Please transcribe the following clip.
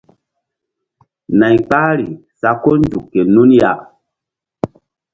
Nay kpahri sa ko nzuk ke nun.